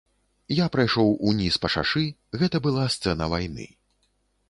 Я прайшоў уніз па шашы, гэта была сцэна вайны.